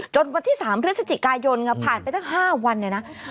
จนวันที่๓พศจิกายนผ่านไปตั้ง๕วัน